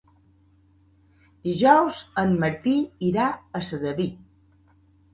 Dijous en Martí irà a Sedaví.